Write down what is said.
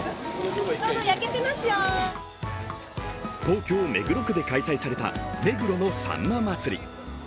東京・目黒区で開催された目黒のさんま祭。